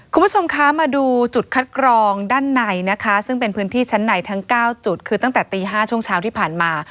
คุณผู้ชมคะมาดูจุดคัดกรองด้านในนะคะซึ่งเป็นพื้นที่ชั้นในทั้ง๙จุดคือตั้งแต่ตี๕ช่วงเช้าที่ผ่านมา